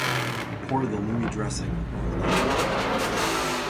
Pour the Louis dressing over all.